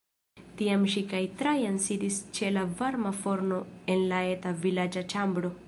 Tiam ŝi kaj Trajan sidis ĉe la varma forno en la eta vilaĝa ĉambro.